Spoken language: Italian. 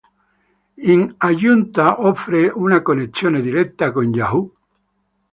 In aggiunta offre una connessione diretta con Yahoo!